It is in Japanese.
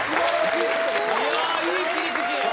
いやいい切り口！